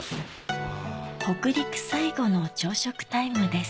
北陸最後の朝食タイムです